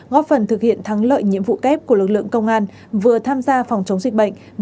góp phần thực hiện thắng lợi nhiệm vụ kép của lực lượng công an vừa tham gia phòng chống dịch bệnh